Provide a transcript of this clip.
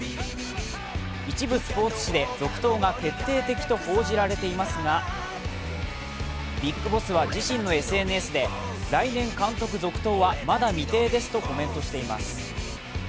一部スポーツ紙で続投が決定的と報じられていますが、ＢＩＧＢＯＳＳは自身のＳＮＳで来年監督続投はまだ未定ですとコメントしています。